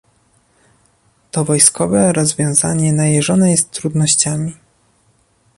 To wojskowe rozwiązanie najeżone jest trudnościami